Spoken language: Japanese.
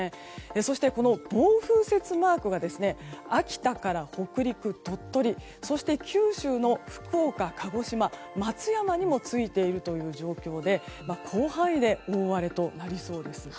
そして、暴風雪マークが秋田から北陸、鳥取そして九州の福岡、鹿児島松山にもついている状況で広範囲で大荒れとなりそうです。